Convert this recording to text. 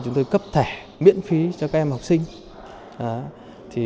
chúng tôi cấp thẻ miễn phí cho các em học sinh